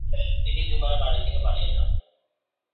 তিনি দুবার বাড়ি থেকে পালিয়ে যান।